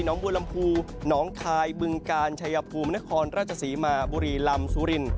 หนองบูรรมภูมิหนองคายบึงกาลชายภูมินครราชสีมาบุรีลำซุริน